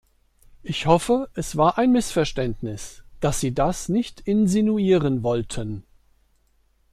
Ich hoffe, es war ein Missverständnis, dass sie das nicht insinuieren wollten.